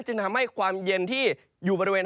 จึงทำให้ความเย็นที่อยู่บริเวณ